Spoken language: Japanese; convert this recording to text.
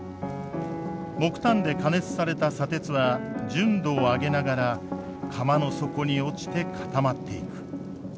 木炭で加熱された砂鉄は純度を上げながら釜の底に落ちて固まっていく。